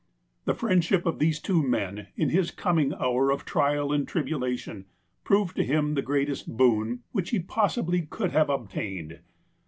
The friendship of these two men, in his coming hour of trial and tribulation, proved to him the greatest boon which he possibly could have obtained.